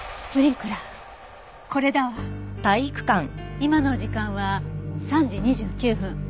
今の時間は３時２９分。